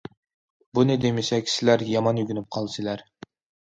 بۇنى دېمىسەك، سىلەر يامان ئۆگىنىپ قالىسىلەر.